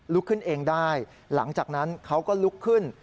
ขึ้นเองได้หลังจากนั้นเขาก็ลุกขึ้น